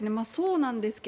そうですね。